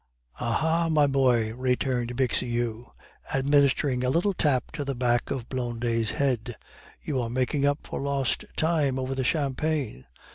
"Aha! my boy," returned Bixiou, administering a little tap to the back of Blondet's head, "you are making up for lost time over the champagne!"